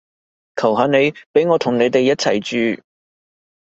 求下你畀我同你哋一齊住